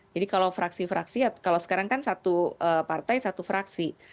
jadi kalau fraksi fraksi kalau sekarang kan satu partai satu fraksi